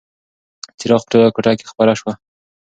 څراغ په ټوله کوټه کې خپره شوه.